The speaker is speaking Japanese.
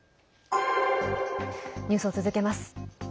ニュースを続けます。